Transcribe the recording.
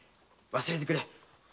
忘れてくれ。